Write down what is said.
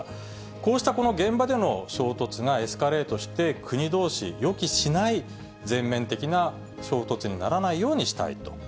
こうしたこの現場での衝突がエスカレートして、国どうし、予期しない全面的な衝突にならないようにしたいと。